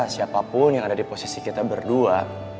siapapun yang ada di posisi kita berdua